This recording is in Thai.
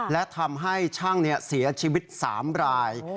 และทำให้ช่างเสียชีวิต๓ราย